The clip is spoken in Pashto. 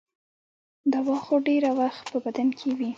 دوا خو ډېر وخت په بدن کې وي.